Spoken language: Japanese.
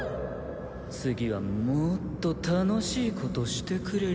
次はもっと楽しいことしてくれるよな？